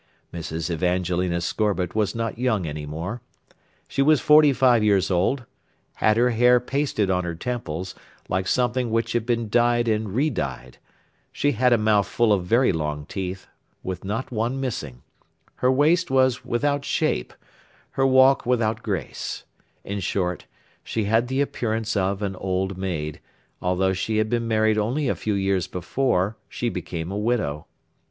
Mrs Evangelina Scorbitt was not young any more. She was forty five years old, had her hair pasted on her temples, like something which had been dyed and re dyed; she had a mouth full of very long teeth, with not one missing; her waist was without shape, her walk without grace; in short, she had the appearance of an old maid, although she had been married only a few years before she became a widow.